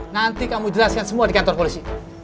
nanti kamu jelaskan semua di kantor polisi